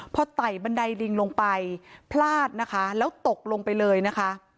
พอไต่บันไดลิงลงไปพลาดนะคะแล้วตกลงไปเลยนะคะ